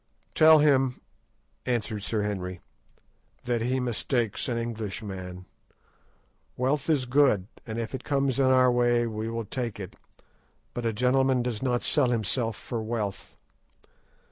"Tell him," answered Sir Henry, "that he mistakes an Englishman. Wealth is good, and if it comes in our way we will take it; but a gentleman does not sell himself for wealth.